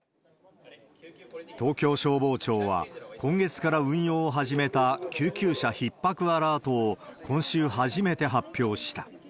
東京消防庁は、今月から運用を始めた救急車ひっ迫アラートを今週初めて発表した。